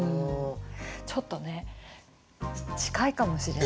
ちょっとね近いかもしれない。